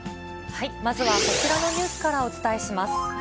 まずはこちらのニュースからお伝えします。